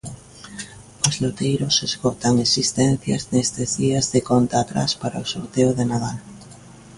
Os loteiros esgotan existencias nestes días de conta atrás para o sorteo de Nadal.